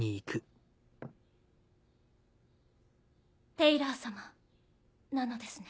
テイラー様なのですね？